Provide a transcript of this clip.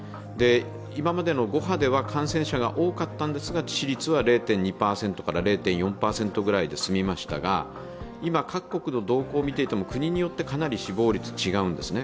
今までの５波では感染者が多かったんですが、致死率は少なくて今、各国の動向を見ていても、国によってかなり死亡率が違うんですね。